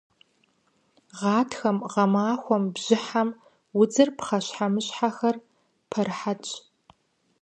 Гъатхэм, гъэмахуэм, бжьыхьэм удзыр, пхъэщхьэмыщхьэхэр пэрыхьэтщ.